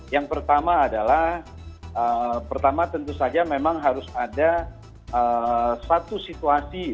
yang pertama adalah pertama tentu saja memang harus ada satu situasi